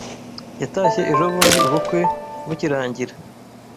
Yatashye ejobundi ubukwe bukirangira